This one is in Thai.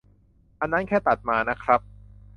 อันนั้นแค่ตัดมาน่ะครับ